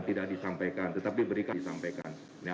tidak disampaikan tetapi berikan disampaikan